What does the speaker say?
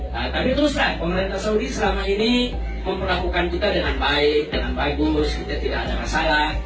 nah tapi terus terang pemerintah saudi selama ini memperlakukan kita dengan baik dengan bagus kita tidak ada masalah